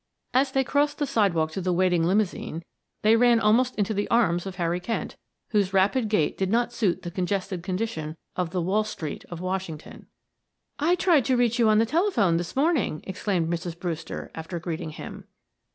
As they crossed the sidewalk to the waiting limousine they ran almost into the arms of Harry Kent, whose rapid gait did not suit the congested condition of the "Wall Street" of Washington. "I tried to reach you on the telephone this morning," exclaimed Mrs. Brewster, after greeting him.